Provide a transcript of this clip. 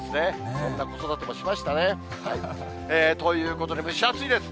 こんな子育てもしましたね。ということで、蒸し暑いです。